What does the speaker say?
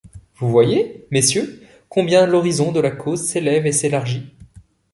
Vous voyez, Messieurs, combien l’horizon de la cause s’élève et s’élargit.